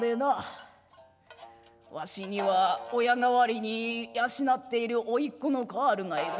わしには親代わりに養っている甥っ子のカールがいる。